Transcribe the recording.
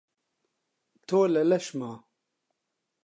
تۆ لە لەشما